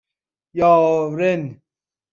یارن